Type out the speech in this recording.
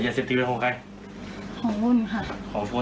อยากให้เป็นของหนูนะไม่ใช่ค่ะไม่ใช่แล้วอยู่ในห้องนี้ไหม